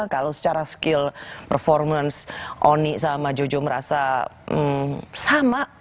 kalau secara skill performance oni sama jojo merasa sama